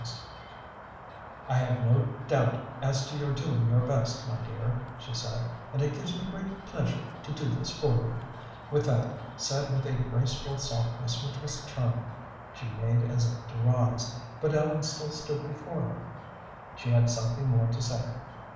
[Illustration: I'll study hard and try to do you credit] "I have no doubt as to your doing your best, my dear," she said, "and it gives me great pleasure to do this for you." With that, said with a graceful softness which was charming, she made as if to rise, but Ellen still stood before her. She had something more to say.